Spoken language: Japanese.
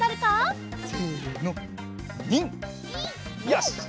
よし！